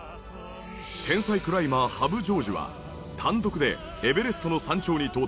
天才クライマー羽生丈二は単独でエベレストの山頂に到達。